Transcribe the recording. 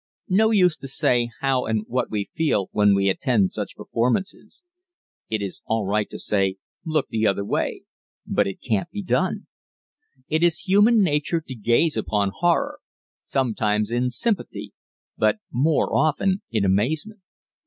No use to say how and what we feel when we attend such performances. It is all right to say "Look the Other Way," but it can't be done. It is human nature to gaze upon horror sometimes in sympathy, but more often in amazement.